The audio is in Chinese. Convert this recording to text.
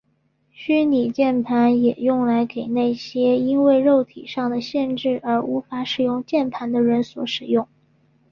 虚拟键盘也用来给那些因为肉体上的限制而无法使用键盘的人所使用。